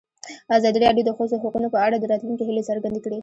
ازادي راډیو د د ښځو حقونه په اړه د راتلونکي هیلې څرګندې کړې.